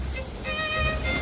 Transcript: dia mencintai putri duyung